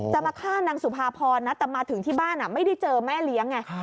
จะมาฆ่านางสุภาพรนะแต่มาถึงที่บ้านไม่ได้เจอแม่เลี้ยงไง